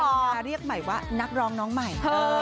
กำลังมาเรียกใหม่ว่านักร้องน้องใหม่